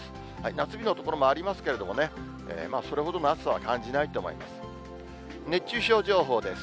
夏日の所もありますけどね、それほどの暑さは感じないと思います。